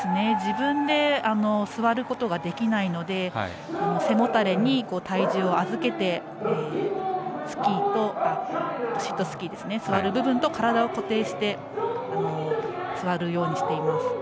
自分で座ることができないので背もたれに体重を預けてシットスキー、座る部分と体を固定して座るようにしてます。